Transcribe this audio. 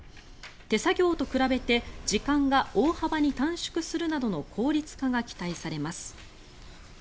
手作業と比べて時間が大幅に短縮するなどの効率化が期待されます。